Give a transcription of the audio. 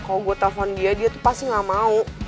kalau gue telpon dia dia tuh pasti gak mau